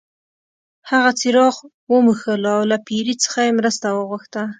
هغه څراغ وموښلو او له پیري څخه یې مرسته وغوښته.